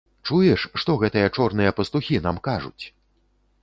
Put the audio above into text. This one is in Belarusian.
Чуеш, што гэтыя чорныя пастухі нам кажуць?